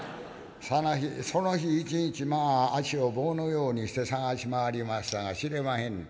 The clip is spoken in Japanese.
その日一日まあ足を棒のようにして捜し回りましたが知れまへんで。